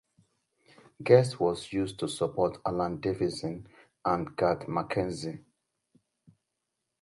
Guest was used to support Alan Davidson and Garth McKenzie.